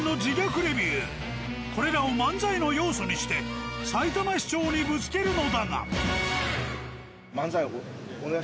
これらを漫才の要素にしてさいたま市長にぶつけるのだが。